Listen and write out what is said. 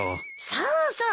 そうそう！